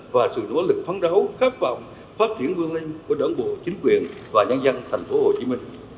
và sự nỗ lực phán đấu khát vọng phát triển vương linh của đảng bộ chính quyền và nhân dân tp hcm